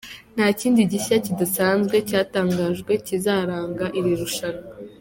Nta kindi gishya kidasanzwe cyatangajwe kizaranga iri rushanwa.